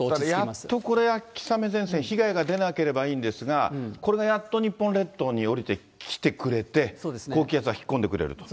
だからやっとこれ、秋雨前線、被害が出なければいいんですが、これがやっと日本列島に降りてきてくれて、高気圧が引っ込んでくれると。